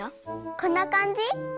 こんなかんじ？